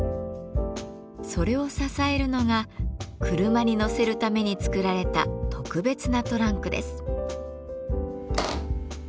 それを支えるのが車に乗せるために作られた特別なトランクです。